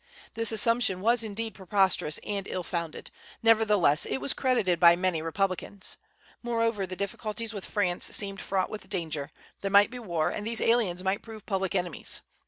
This assumption was indeed preposterous and ill founded; nevertheless it was credited by many Republicans. Moreover, the difficulties with France seemed fraught with danger; there might be war, and these aliens might prove public enemies.